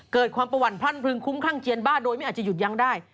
เกิดความประวัติพรั่นพรึงคุ้มข้างเจียนบ้าโดยไม่อาจจะหยุดยั้งได้